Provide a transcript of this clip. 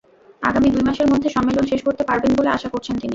আগামী দুই মাসের মধ্যে সম্মেলন শেষ করতে পারবেন বলে আশা করছেন তিনি।